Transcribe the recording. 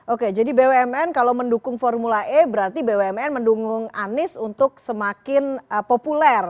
oke jadi bumn kalau mendukung formula e berarti bumn mendukung anies untuk semakin populer